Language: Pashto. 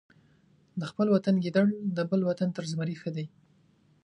د خپل وطن ګیدړ د بل وطن تر زمري ښه دی.